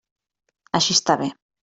Així està bé.